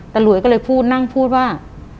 หลวยก็เลยพูดนั่งพูดว่า